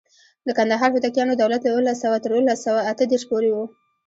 د کندهار هوتکیانو دولت له اوولس سوه تر اوولس سوه اته دیرش پورې و.